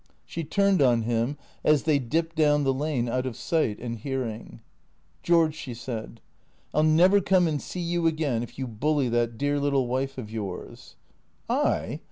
She turned on him as they dipped down the lane out of sight and hearing, " George," she said, " I '11 never come and see you again if you bully that dear little wife of yours." "I?